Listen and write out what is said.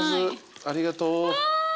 ありがとう。